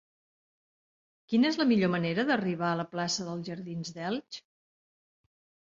Quina és la millor manera d'arribar a la plaça dels Jardins d'Elx?